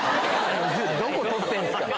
どこ取ってるんすか！